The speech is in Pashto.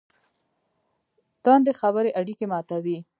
توندې خبرې اړیکې ماتوي.